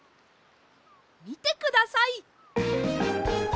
みてください！